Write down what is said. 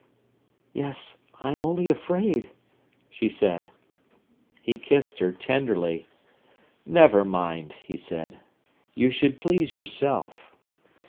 "Yes, I am only afraid," she said. He kissed her tenderly. "Never mind," he said. "You should please yourself."